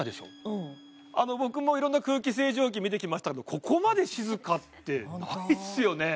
うん僕もいろんな空気清浄機見てきましたけどここまで静かってないっすよね